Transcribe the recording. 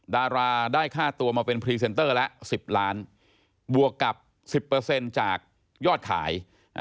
ดาราได้ค่าตัวมาเป็นพรีเซนเตอร์ละ๑๐ล้านบวกกับ๑๐จากยอดขาย